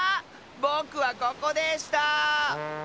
ぼくはここでした！